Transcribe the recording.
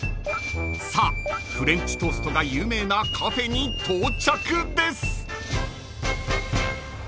［さあフレンチトーストが有名なカフェに到着です］